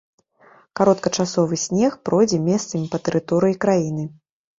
Кароткачасовы снег пройдзе месцамі па тэрыторыі краіны.